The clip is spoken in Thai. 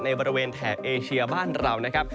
บริเวณแถบเอเชียบ้านเรานะครับ